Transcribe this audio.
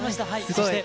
そして。